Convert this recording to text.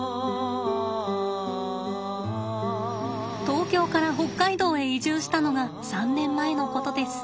東京から北海道へ移住したのが３年前のことです。